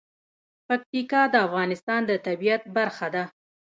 پکتیکا د افغانستان د طبیعت برخه ده.